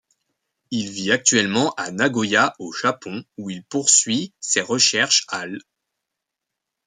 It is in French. Il vit actuellement à Nagoya au Japon, où il poursuit ses recherches à l'.